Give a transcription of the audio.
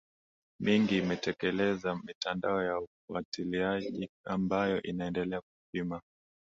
mingi imetekeleza mitandao ya ufuatiliaji ambayo inaendelea kupima